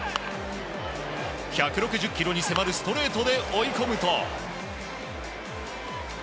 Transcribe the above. １６０キロに迫るストレートで追い込むと。